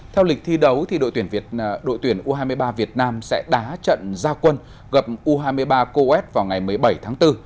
theo lịch thi đấu đội tuyển đội tuyển u hai mươi ba việt nam sẽ đá trận gia quân gặp u hai mươi ba coes vào ngày một mươi bảy tháng bốn